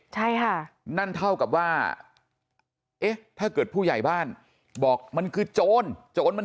ใช่ค่ะนั่นเท่ากับว่าเอ๊ะถ้าเกิดผู้ใหญ่บ้านบอกมันคือโจรโจรมัน